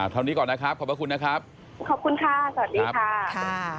เท่านี้ก่อนนะครับขอบพระคุณนะครับขอบคุณค่ะสวัสดีค่ะ